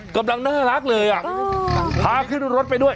กำลังน่ารักเลยอ่ะพาขึ้นรถไปด้วย